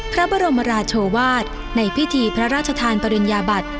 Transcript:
พระบรมราชวาสในพิธีพระราชทานปริญญาบัติ